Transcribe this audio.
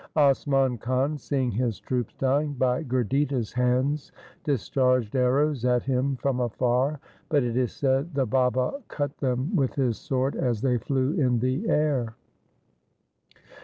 Asman Khan, seeing his troops dying by Gurditta's hands, discharged arrows at him from afar, but it is said the Baba cut them with his sword as they flew in the air.